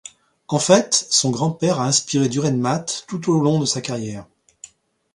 En fait, son grand-père a inspiré Dürrenmatt tout au long de sa carrière.